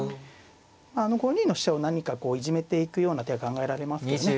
あの５二の飛車を何かいじめていくような手が考えられますけどね。